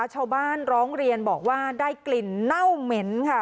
ชาวบ้านร้องเรียนบอกว่าได้กลิ่นเน่าเหม็นค่ะ